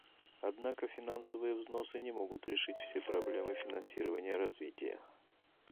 Однако финансовые взносы не могут решить все проблемы финансирования развития.